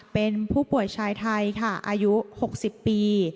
เป็นผู้ป่วยชายไทยค่ะอายุ๖๐ปี